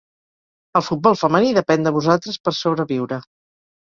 El futbol femení depèn de vosaltres per sobreviure.